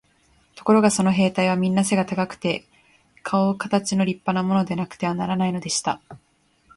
ところがその兵隊はみんな背が高くて、かおかたちの立派なものでなくてはならないのでした。